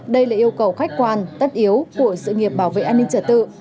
đây là yêu cầu khách quan tất yếu của sự nghiệp bảo vệ an ninh trật tự